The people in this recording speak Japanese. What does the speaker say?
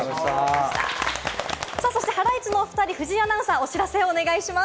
そしてハライチのお２人、藤井アナウンサー、お知らせをお願いします。